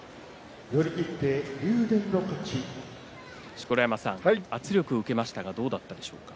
錣山さん、圧力を受けましたがどうだったでしょうか。